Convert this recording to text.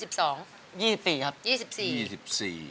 ๒๔ครับ